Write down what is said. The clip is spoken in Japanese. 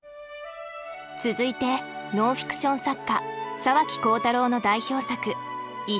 続いてノンフィクション作家沢木耕太郎の代表作「一瞬の夏」。